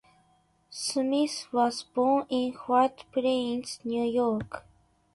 Smith was born in White Plains, New York.